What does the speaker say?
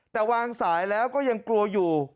แต่วางสายแล้วก็ยังกลัวอยู่